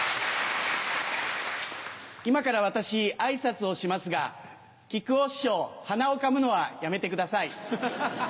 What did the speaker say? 今から私挨拶をしますが木久扇師匠はなをかむのはやめてください。